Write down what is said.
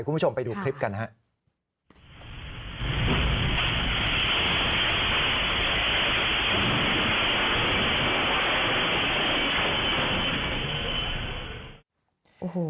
คุณผู้ชมไปดูคลิปกันนะครับ